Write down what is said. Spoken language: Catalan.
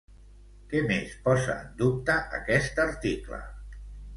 Què més posa en dubte aquest article?